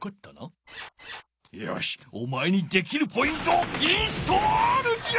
よしおまえにできるポイントをインストールじゃ！